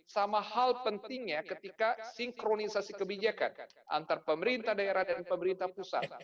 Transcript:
sama hal pentingnya ketika sinkronisasi kebijakan antar pemerintah daerah dan pemerintah pusat